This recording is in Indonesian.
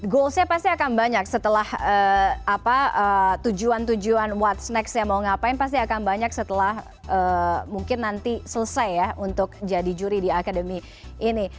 goalsnya pasti akan banyak setelah tujuan tujuan ⁇ whats ⁇ next saya mau ngapain pasti akan banyak setelah mungkin nanti selesai ya untuk jadi juri di akademi ini